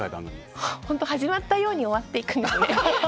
始まったように終わっていくんですね。